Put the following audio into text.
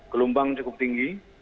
gelombang cukup tinggi